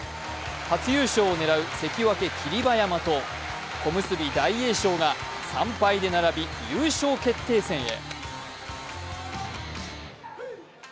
初優勝を狙う関脇・霧馬山と小結・大栄翔が３敗で並び優勝決定戦へ。